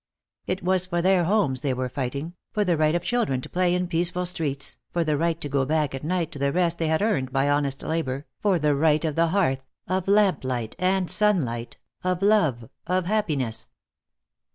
It was for their homes they were fighting, for the right of children to play in peaceful streets, for the right to go back at night to the rest they had earned by honest labor, for the right of the hearth, of lamp light and sunlight, of love, of happiness.